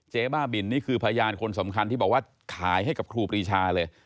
บ้าบินนี่คือพยานคนสำคัญที่บอกว่าขายให้กับครูปรีชาเลย